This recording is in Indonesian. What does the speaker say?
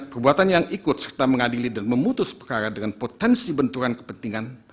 kekuatan yang ikut serta mengadili dan memutus perkara dengan potensi benturan kepentingan